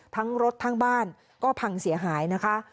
ทั้งรถทั้งบ้านก็พังเสียหายนะคะ